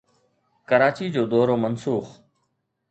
ڪراچي جو دورو منسوخ